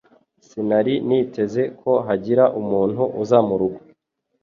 Sinari niteze ko hagira umuntu uza murugo.